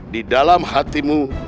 di dalam hatimu